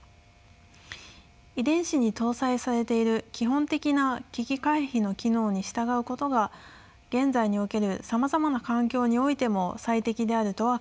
遺伝子に搭載されている基本的な危機回避の機能に従うことが現在におけるさまざまな環境においても最適であるとは限らないからです。